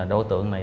đối tượng này